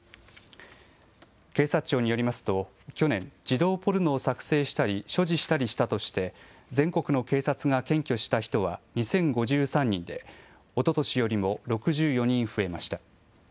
警察庁によりますと、去年、児童ポルノを作成したり所持したりしたとして、全国の警察が検挙した人は２０５３人で、おととしよりも６４人増えました。